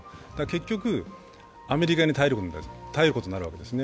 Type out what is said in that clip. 結局、アメリカに頼ることになるわけですね。